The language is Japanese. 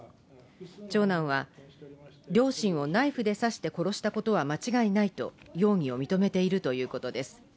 長男は両親をナイフで刺して殺したことは間違いないと容疑を認めているということです。